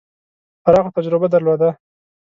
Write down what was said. پراخه تجربه درلوده.